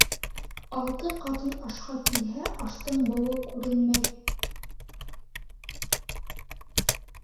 Алты ҡатын ашҡа килһә, аштың быуы күренмәй.